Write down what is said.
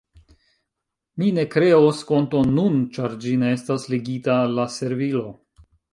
Mi ne kreos konton nun, ĉar ĝi ne estas ligita al la servilo.